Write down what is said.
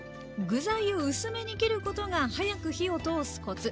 具材を薄めに切ることが早く火を通すコツ！